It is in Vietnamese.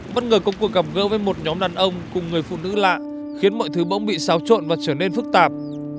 bất ngờ công cuộc gặp gỡ với một nhóm đàn ông cùng người phụ nữ lạ khiến mọi thứ bỗng bị xáo trộn và trở nên phức tạp